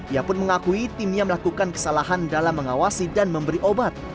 ia pun mengakui timnya melakukan kesalahan dalam mengawasi dan memberi obat